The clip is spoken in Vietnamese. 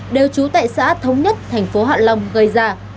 đều trú tại xã thống nhất thành phố hạ long gây ra